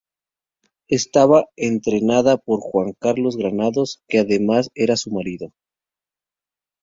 Estaba entrenada por Juan Carlos Granados, que además era su marido.